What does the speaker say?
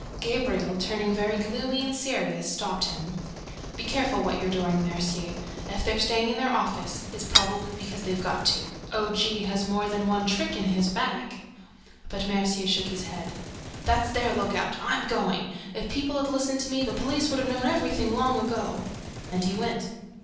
Gabriel, turning very gloomy and serious, stopped him. "Be careful what you're doing, Mercier! If they're staying in their office, it's probably because they have to! O. G. has more than one trick in his bag!" But Mercier shook his head. "That's their lookout! I'm going! If people had listened to me, the police would have known everything long ago!" And he went.